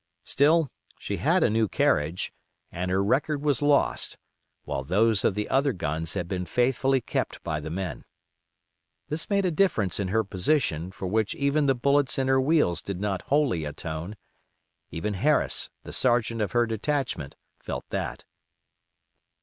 Still, she had a new carriage, and her record was lost, while those of the other guns had been faithfully kept by the men. This made a difference in her position for which even the bullets in her wheels did not wholly atone; even Harris, the sergeant of her detachment, felt that.